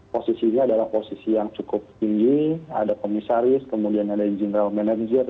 posisinya adalah posisi yang cukup tinggi ada komisaris kemudian ada general manager